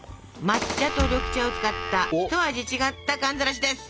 抹茶と緑茶を使った一味違った寒ざらしです！